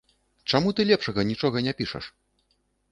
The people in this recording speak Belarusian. Чаму ты лепшага нічога не пішаш?